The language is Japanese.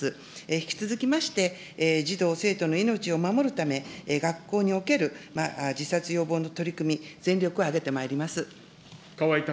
引き続きまして、児童・生徒の命を守るため、学校における自殺予防の取り組み、全力を挙げてまいります。